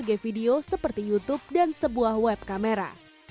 mereka juga membuat berbagai video seperti youtube dan sebuah web kamera